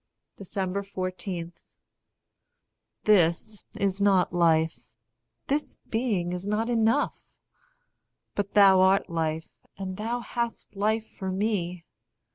14. This is not life; this being is not enough. But thou art life, and thou hast life for me.